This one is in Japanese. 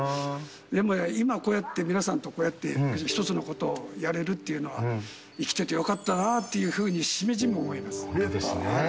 でも、今こうやって、皆さんとこうやって一つのことをやれるっていうのは生きててよかったなというふうに、しみじみ思います。